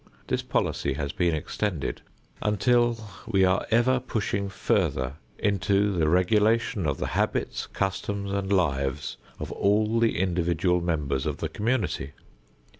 This policy has been extended until we are ever pushing further into the regulation of the habits, customs and lives of all the individual members of the community.